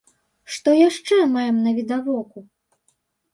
Што яшчэ маем навідавоку?